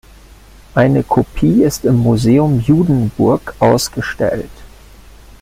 Eine Kopie ist im Museum Judenburg ausgestellt.